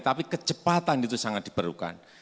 tapi kecepatan itu sangat diperlukan